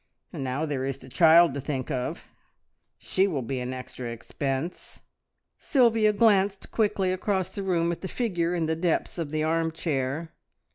And now there is the child to think of. She will be an extra expense!" Sylvia glanced quickly across the room at the figure in the depths of the arm chair.